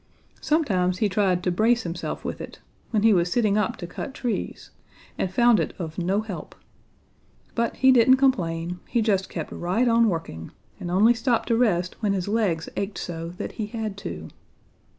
Sometimes he tried to brace himself with it when he was sitting up to cut trees, and found it of no help. But he didn't complain; he just kept right on working, and only stopped to rest when his legs ached so that he had to.